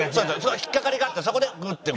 引っ掛かりがあってそこでグッて。